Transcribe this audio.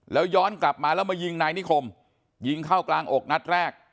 แล้วย้อนกลับมาแล้วมายิงนายนิคมยิงเข้ากลางอกนัดแรก